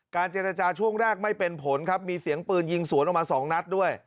เจรจาช่วงแรกไม่เป็นผลครับมีเสียงปืนยิงสวนออกมา๒นัดด้วย